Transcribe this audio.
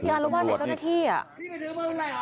อ๋ออารวาสอยู่ในที่อ่ะ